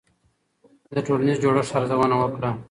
د ټولنیز جوړښت ارزونه وکړه.